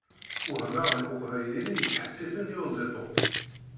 Wehmeɣ deg Iqbayliyen yettḥessisen i Uziṭuṭ!